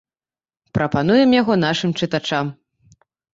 Прапануем яго нашым чытачам.